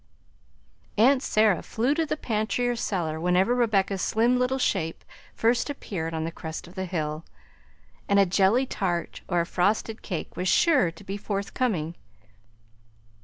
Aunt Sarah flew to the pantry or cellar whenever Rebecca's slim little shape first appeared on the crest of the hill, and a jelly tart or a frosted cake was sure to be forthcoming.